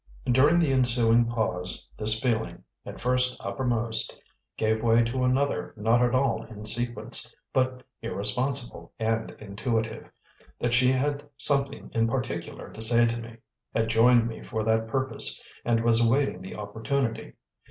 During the ensuing pause this feeling, at first uppermost, gave way to another not at all in sequence, but irresponsible and intuitive, that she had something in particular to say to me, had joined me for that purpose, and was awaiting the opportunity.